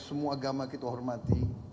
semua agama kita hormati